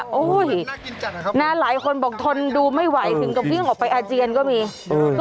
น่ากินจัดนะครับนานหลายคนบอกทนดูไม่ไหวจึงก็พิ่งออกไปอาเจียนก็มีเออ